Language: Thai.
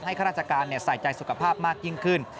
ข้าราชการใส่ใจสุขภาพมากยิ่งขึ้น